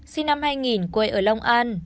sinh năm hai nghìn quê ở long an